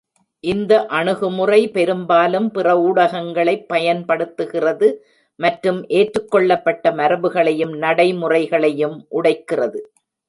இந்த அணுகுமுறை பெரும்பாலும் பிற ஊடகங்களைப் பயன்படுத்துகிறது மற்றும் ஏற்றுக்கொள்ளப்பட்ட மரபுகளையும் நடைமுறைகளையும் உடைக்கிறது.